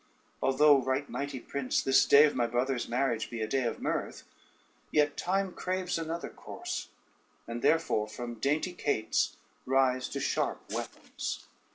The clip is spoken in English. ] "Although, right mighty prince, this day of my brother's marriage be a day of mirth, yet time craves another course; and therefore from dainty cates rise to sharp weapons.